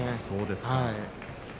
そうですか。